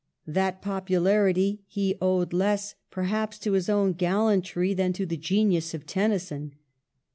That populai'ity he owed less perhaps to his own gallantry than to the genius of Tennyson.